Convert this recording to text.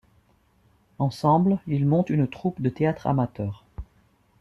Ensemble, ils montent une troupe de théâtre amateur.